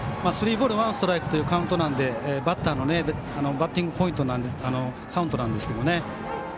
スリーボールワンストライクというカウントなのでバッターのバッティングカウントなんですけどね。